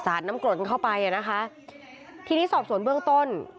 สาดน้ำกรดมันเข้าไปที่นี่สอบสวนเบื้องต้น